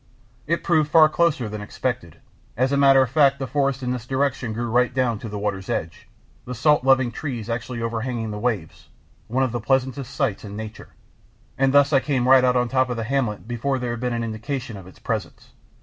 It proved far closer than expected. As a matter of fact the forest in this direction grew right down to the water's edge; the salt loving trees actually overhanging the waves one of the pleasantest sights in nature and thus I came right out on top of the hamlet before there had been an indication of its presence.